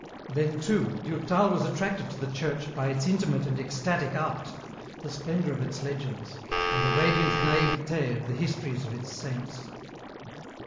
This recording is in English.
Then, too, Durtal was attracted to the Church by its intimate and ecstatic art, the splendour of its legends, and the radiant naïveté of the histories of its saints.